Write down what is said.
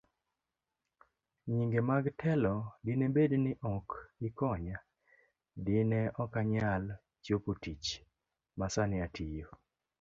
Nyinge mag telo Dine bed ni ok ikonya, dine okanyal chopotich masani atiyo.